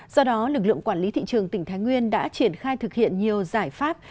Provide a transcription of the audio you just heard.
do đó lực lượng quản lý thị trường tỉnh thái nguyên đã triển khai thực hiện nhiều giải pháp